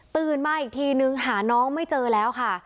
มาอีกทีนึงหาน้องไม่เจอแล้วค่ะ